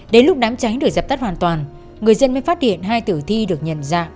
đến lúc đám cháy được dập tắt hoàn toàn người dân mới phát hiện hai tử thi được nhận ra